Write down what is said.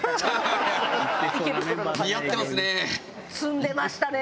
似合ってますね。